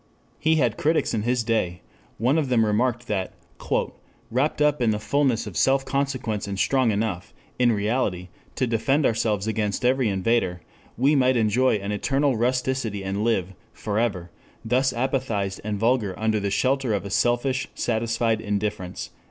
He had critics in his day: one of them remarked that "wrapt up in the fullness of self consequence and strong enough, in reality, to defend ourselves against every invader, we might enjoy an eternal rusticity and live, forever, thus apathized and vulgar under the shelter of a selfish, satisfied indifference."